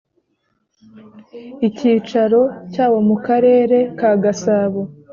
icyicaro cyawo mu karere ka gasabo